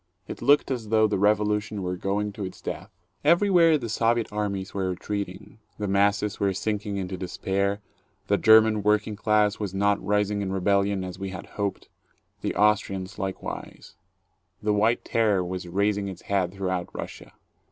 It looked as though the Revolution were going to its death. Everywhere the Soviet armies were retreating, the masses were sinking into despair, the German working class was not rising in rebellion as we had hoped, the Austrians likewise; the White Terror was raising its head through out Russia.